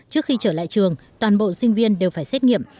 trước khi trở lại trường toàn bộ sinh viên đều phải xét nghiệm